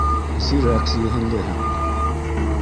—Зирәк зиһенлеһең!